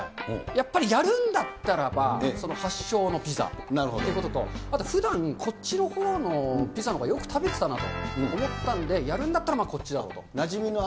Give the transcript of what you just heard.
やっぱりやるんだったらば、その発祥のピザということと、あとふだん、こっちのほうのピザのほうがよく食べてたなと思ったので、やるんだったらこっちだろうと。